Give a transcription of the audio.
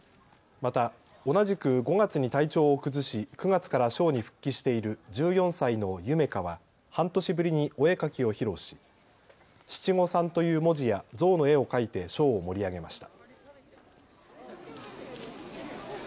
また、同じく５月に体調を崩し９月からショーに復帰している１４歳のゆめ花は半年ぶりにお絵描きを披露し、七五三という文字やゾウの絵を描いてショーを盛り上げました。